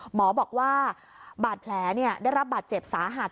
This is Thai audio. หมอบอกว่าบาดแผลได้รับบาดเจ็บสาหัส